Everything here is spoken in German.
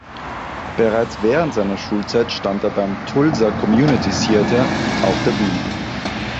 Bereits während seiner Schulzeit stand er beim Tulsa Community Theatre auf der Bühne.